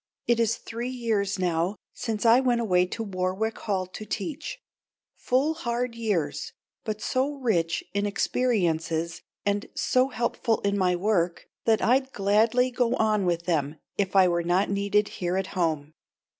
It is three years now since I went away to Warwick Hall to teach; full, hard years, but so rich in experiences and so helpful in my work that I'd gladly go on with them if I were not needed here at home.